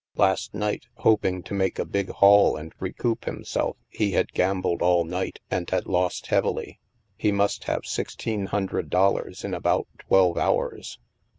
Last night, hoping to make a big haul and recoup himself, he had gam bled all night and had lost heavily. He must have sixteen hundred dollars in about twelve hours.